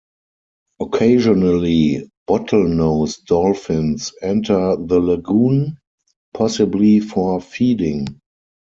Occasionally, Bottlenose Dolphins enter the lagoon, possibly for feeding.